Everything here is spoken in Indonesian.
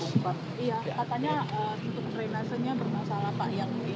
katanya untuk krenasenya bermasalah pak yang dianggi